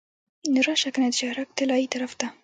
نو راشه کنه د شهرک طلایې طرف ته.